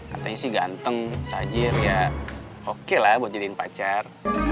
katanya sih ganteng tajir ya oke lah buat jadiin pacar